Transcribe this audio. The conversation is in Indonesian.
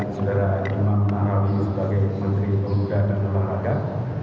saudara imar nakrawi sebagai menteri pengunduran dan penanakan